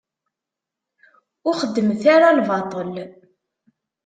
Ur xeddmet ara lbaṭel.